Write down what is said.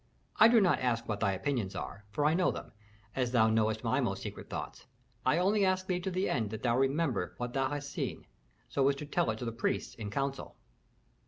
I do not ask what thy opinions are, for I know them, as thou knowest my most secret thoughts. I only ask thee to the end that thou remember what thou hast seen, so as to tell it to the priests in council."